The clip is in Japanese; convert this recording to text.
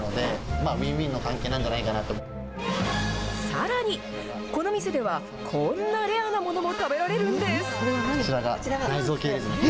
さらに、この店ではこんなレアなものも食べられるんです。